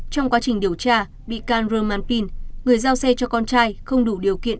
trong quá trình điều tra bị can roman pin người giao xe cho con trai không đủ điều kiện